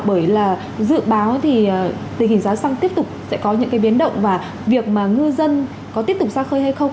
bởi là dự báo thì tình hình giá xăng tiếp tục sẽ có những cái biến động và việc mà ngư dân có tiếp tục xa khơi hay không